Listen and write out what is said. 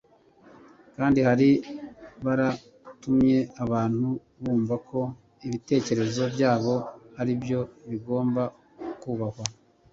kandi bari baratumye abantu bumva ko ibitekerezo byabo aribyo bigomba kubahwa